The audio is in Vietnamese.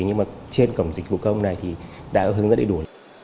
nhưng mà trên cổng dịch vụ công này thì đã hướng rất đầy đủ